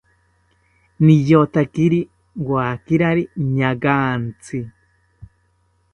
Niyotakiri wakirari ñaagantzi